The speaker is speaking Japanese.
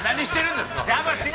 ◆何してるんですか。